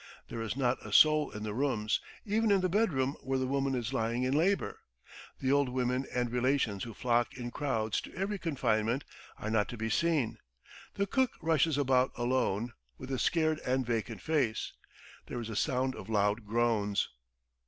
There is not a soul in the rooms, even in the bedroom where the woman is lying in labour. ... The old women and relations who flock in crowds to every confinement are not to be seen. The cook rushes about alone, with a scared and vacant face. There is a sound of loud groans.